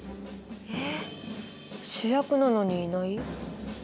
えっ主役なのにいない？